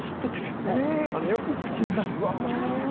よく口ずさんでます。